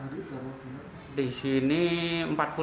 terus disini berapa hari